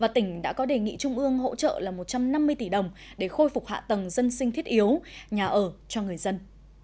tỉnh đã có đề nghị trung ương hỗ trợ một trăm năm mươi tỷ đồng để khôi phục hạ tầng dân sinh thiết yếu nhà ở cho người dân